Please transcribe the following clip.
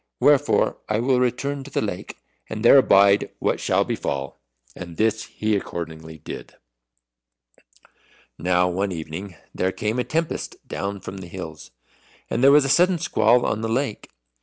Wherefore I will return to the lake, and there abide what shall befall." And this he accordingly did. Now one evening there came a tempest down from the hills, and there was a sudden squall on the lake.